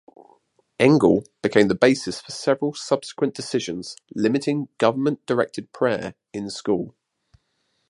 "Engel" became the basis for several subsequent decisions limiting government-directed prayer in school.